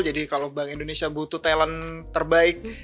jadi kalau bank indonesia butuh talent terbaik